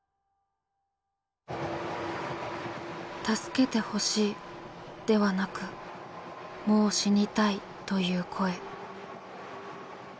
「助けてほしい」ではなく「もう死にたい」という声。